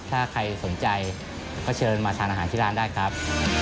ถ้าใครสนใจก็เชิญมาทานอาหารที่ร้านได้ครับ